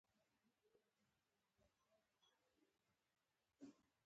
د موټر بیمه د مالي زیان مخنیوی کوي.